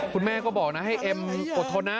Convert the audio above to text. คุณแม่ก็บอกนะให้เอ็มอดทนนะ